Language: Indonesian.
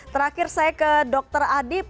terakhir saya ke dr adib